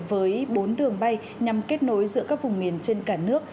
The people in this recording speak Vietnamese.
với bốn đường bay nhằm kết nối giữa các vùng miền trên cả nước